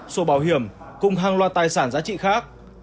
sổ bảo hiểm cùng hàng loạt tài sản giá trị khác